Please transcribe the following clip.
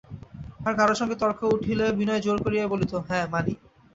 আর কারো সঙ্গে তর্ক উঠিলে বিনয় জোর করিয়াই বলিত, হাঁ, মানি।